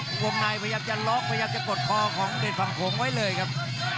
วงในพยายามจะล็อกพยายามจะกดคอของเดชฝั่งโขงไว้เลยครับ